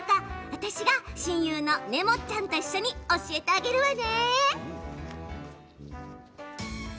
私が、親友のねもっちゃんと一緒に教えてあげるわね。